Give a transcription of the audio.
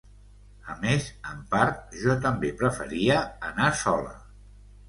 A més, en part, jo també preferia anar sola.